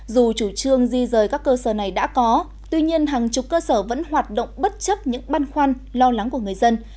dù chủ trương di rời các cơ sở này đã có tuy nhiên hàng chục cơ sở vẫn hoạt động bất chấp những băn khoăn lo lắng của người dân